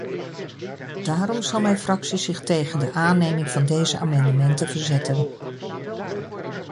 Daarom zal mijn fractie zich tegen de aanneming van deze amendementen verzetten.